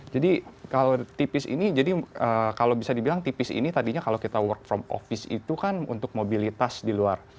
jadi kalau tipis ini jadi kalau bisa dibilang tipis ini tadinya kalau kita work from office itu kan untuk mobilitas di luar